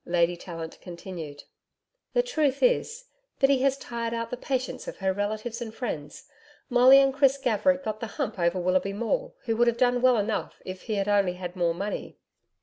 Lady Tallant continued: 'The truth is, Biddy has tired out the patience of her relatives and friends. Molly and Chris Gaverick got the hump over Willoughby Maule who would have done well enough if he had only had more money.